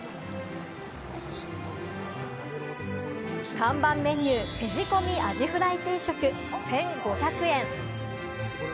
看板メニュー、手仕込みアジフライ定食、１５００円。